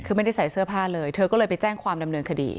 คือไม่ได้ใส่เสื้อผ้าเลยเธอก็เลยไปแจ้งความดำเนินคดี